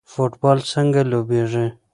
فوټبال څنګه لوبیږي؟